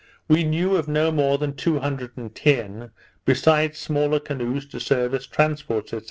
We knew of no more than two hundred and ten, besides smaller canoes to serve as transports, &c.